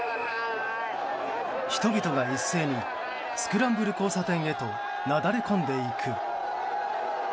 人々が一斉にスクランブル交差点へとなだれ込んでいく。